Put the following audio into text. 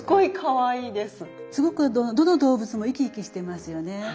すごくどの動物も生き生きしてますよね。